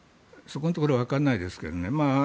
そこのところはわからないですけどね。